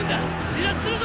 離脱するぞ！